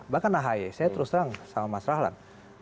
bahkan ahy saya terus terang sama mas rahlan